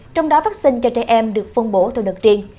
trong đó vắc xin cho trẻ em được phân bổ theo đợt riêng